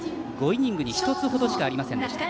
５イニングに１つほどしかありませんでした。